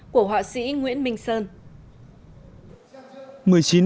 của họa sĩ nguyễn minh sơn